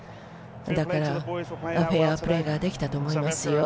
だから、フェアプレーができたと思います。